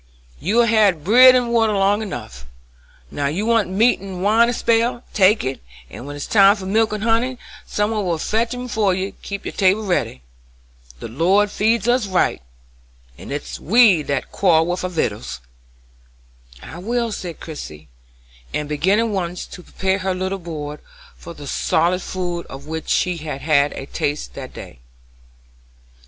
You've had bread and water long enough, now you want meat and wine a spell; take it, and when it's time for milk and honey some one will fetch 'em ef you keep your table ready. The Lord feeds us right; it's we that quarrel with our vittles." "I will," said Christie, and began at once to prepare her little board for the solid food of which she had had a taste that day.